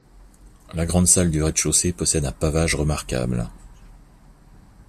La grande salle du rez-de-chaussée possède un pavage remarquable.